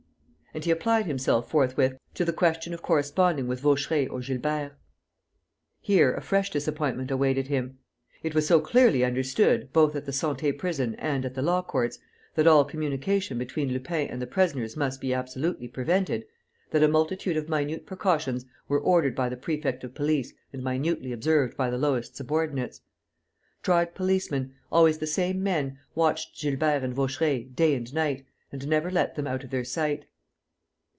And he applied himself forthwith to the question of corresponding with Vaucheray or Gilbert. Here a fresh disappointment awaited him. It was so clearly understood, both at the Santé Prison and at the Law Courts, that all communication between Lupin and the prisoners must be absolutely prevented, that a multitude of minute precautions were ordered by the prefect of police and minutely observed by the lowest subordinates. Tried policemen, always the same men, watched Gilbert and Vaucheray, day and night, and never let them out of their sight.